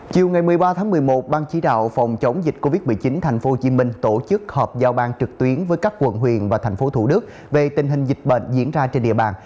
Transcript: chiều một mươi ba một mươi một ban chí đạo phòng chống dịch covid một mươi chín tp hcm tổ chức họp giao ban trực tuyến với các quận huyền và thành phố thủ đức về tình hình dịch bệnh diễn ra trên địa bàn